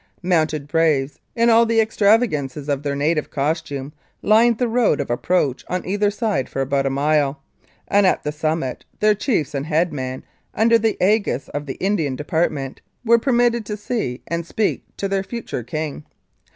Mounted braves in all the extravagances of their native costume lined the road of approach on either side for about a mile, and at the summit their chiefs and head men, under the segis of the Indian De partment, were permitted to see and speak to their future King.